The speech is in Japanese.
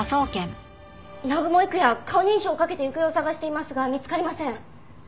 南雲郁也顔認証をかけて行方を捜していますが見つかりません。